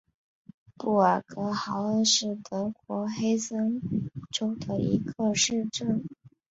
布尔格豪恩是德国黑森州的一个市镇。